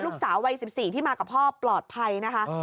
ลูกสาววัย๑๔ที่มากับพ่อปลอดภัยนะคะ